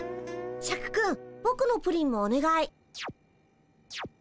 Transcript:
シャクくんぼくのプリンもおねがい。